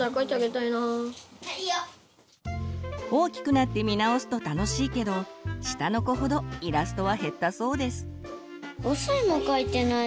大きくなって見直すと楽しいけど下の子ほどイラストは減ったそうです。